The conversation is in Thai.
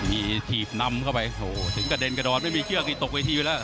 มีทีพนำเข้าไปโอ้โหถึงกระเด็นกระดอนไม่มีเครื่องอีกตกวิธีไปแล้ว